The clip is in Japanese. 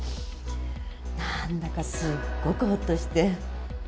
何だかすっごくほっとして。